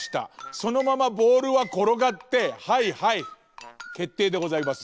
そのままボールはころがってはいはいけっていでございます。